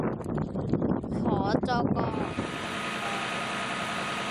หจก.มนทอง